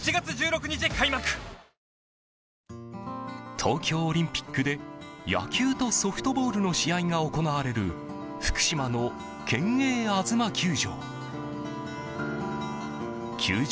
東京オリンピックで、野球とソフトボールの試合が行われる福島の県営あづま球場。